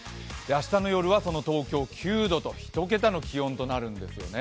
明日の夜は東京９度と１桁の気温となるんですよね。